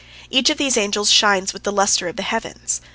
Each of these angels shines with the lustre of the heavens.